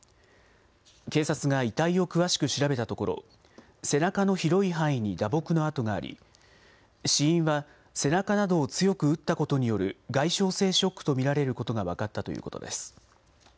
警察が遺体を詳しく調べたところ、背中の広い範囲に打撲の痕があり、死因は背中などを強く打ったことによる外傷性ショックと見られることが分かったということです。